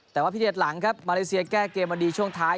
แต่ว่าพิเศษหลังครับมาเลเซียแก้เกมมาดีช่วงท้าย